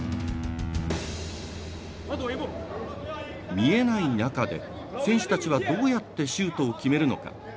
見えない中で、選手たちはどうやってシュートを決めるのか。